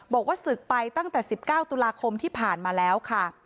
บอกว่าศึกไปตั้งแต่๑๙ตุลาคมที่ผ่านมาแล้วค่ะ